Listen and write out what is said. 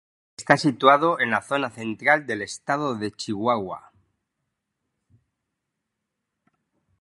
Está situado en la zona central del estado de Chihuahua.